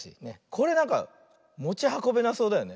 これなんかもちはこべなそうだよね。